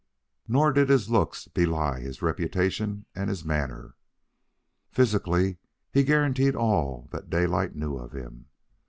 Nor did his looks belie his reputation and his manner. Physically, he guaranteed all that Daylight knew of him.